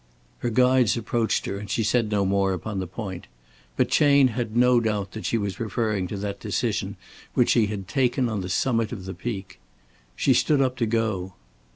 Her guides approached her and she said no more upon the point. But Chayne had no doubt that she was referring to that decision which she had taken on the summit of the peak. She stood up to go.